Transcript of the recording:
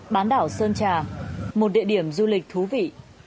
bán đảo sơn trà một địa điểm du lịch thú vị